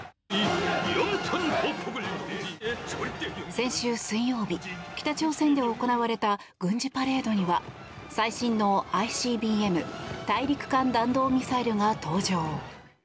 先週水曜日、北朝鮮で行われた軍事パレードには最新のＩＣＢＭ・大陸間弾道ミサイルが登場。